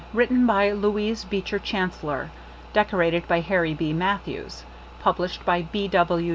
Written by Louise Beecher Chancellor, deco rated by Harry B. Matthews, Pub lished by B. W.